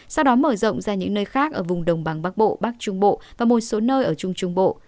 sau đó mở rộng ra những nơi khác ở vùng đồng bằng bắc bộ bắc trung bộ và một số nơi ở trung trung bộ